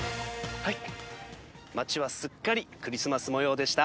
はい、街はすっかりクリスマス模様でした。